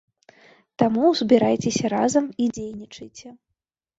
Таму збірайцеся разам і дзейнічайце.